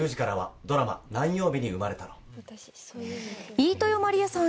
飯豊まりえさん